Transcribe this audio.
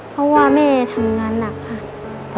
เพราะว่าแม่ทำงานหนักค่ะ